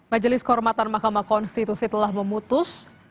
majelis kehormatan mahkamah konstitusi telah memutus